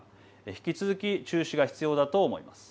引き続き注視が必要だと思います。